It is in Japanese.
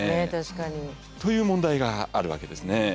確かに。という問題があるわけですね。